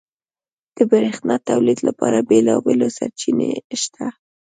• د برېښنا تولید لپاره بېلابېلې سرچینې شته.